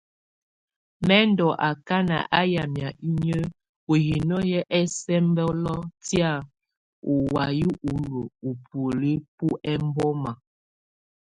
Mɛ̀ ndù akana á yamɛ̀á inyǝ ù hino hɛ ɛsɛmbɛlɔ tɛ̀á ù waya u ɔlɔ u bùóli bù ɛmbɔma.